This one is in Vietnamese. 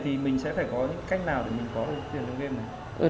thì mình sẽ phải có cách nào để mình có được tiền trong game này